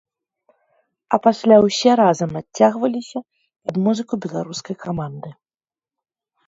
А пасля ўсе разам адцягваліся пад музыку беларускай каманды.